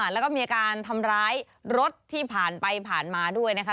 แล้วก็มีการทำร้ายรถที่ผ่านไปผ่านมาด้วยนะคะ